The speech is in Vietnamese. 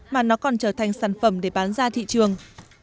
mà nó còn trở thành sản phẩm để bán ra thị trường